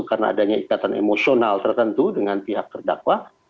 karena adanya ikatan emosional tertentu dengan pihak terdakwa